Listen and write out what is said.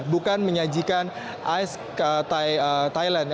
bukan menyajikan ais thailand